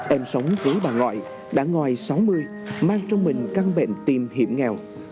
em sống với bà ngọi đã ngòi sáu mươi mang trong mình căng bệnh tim hiểm nghèo